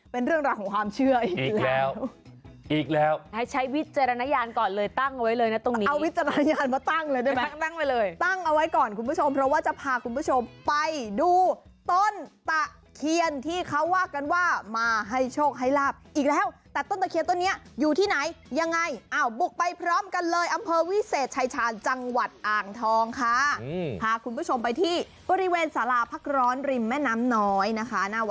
เป็นเรื่องราวของความเชื่ออีกแล้ว